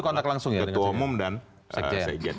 ketua umum dan sekjen